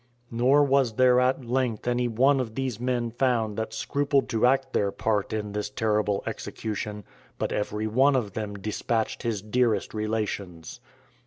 Nor was there at length any one of these men found that scrupled to act their part in this terrible execution, but every one of them despatched his dearest relations.